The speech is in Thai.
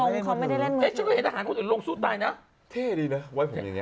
มันจะมีช่วงแรกที่เขาเข้าไป๓เดือนแล้ว